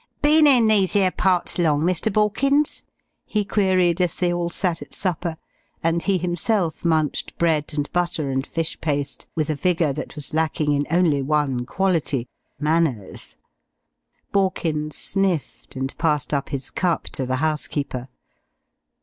"Been in these 'ere parts long, Mr. Borkins?" he queried as they all sat at supper, and he himself munched bread and butter and fish paste with a vigour that was lacking in only one quality manners. Borkins sniffed, and passed up his cup to the housekeeper.